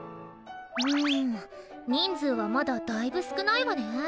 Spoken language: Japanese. うん人数はまだだいぶ少ないわね。